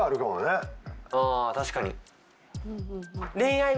あ確かに。